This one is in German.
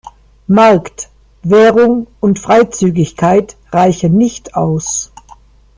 Markt, Währung und Freizügigkeit reichen nicht aus.